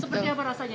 seperti apa rasanya